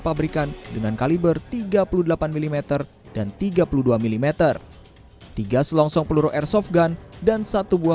pabrikan dengan kaliber tiga puluh delapan mm dan tiga puluh dua mm tiga selongsong peluru airsoft gun dan satu buah